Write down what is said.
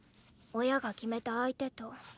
親が決めた相手と。